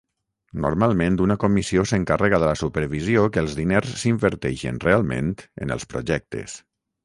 Normalment una comissió s'encarrega de la supervisió que els diners s'inverteixen realment en els projectes.